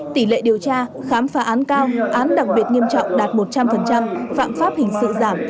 tỷ lệ điều tra khám phá án cao án đặc biệt nghiêm trọng đạt một trăm linh phạm pháp hình sự giảm